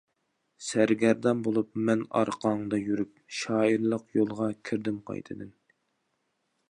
سەرگەردان بولۇپ مەن ئارقاڭدا يۈرۈپ، شائىرلىق يولىغا كىردىم قايتىدىن.